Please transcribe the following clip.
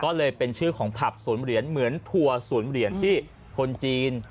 ก็เลยเป็นชื่อของผับศูนย์เหรียญเหมือนทัวร์ศูนย์เหรียญที่คนจีน